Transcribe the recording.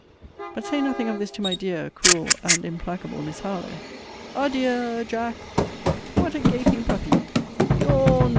But say nothing of this to my dear, cruel, and implacable Miss Harlowe. A dieu u, Ja aack What a gaping puppy (yaw n!